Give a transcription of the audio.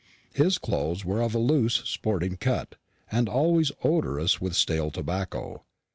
His clothes were of a loose sporting cut, and always odorous with stale tobacco.